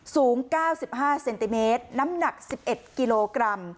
สูง๙๕เซนติเมตรน้ำหนัก๑๑กิโลกรัม